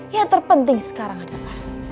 yang terpenting sekarang adalah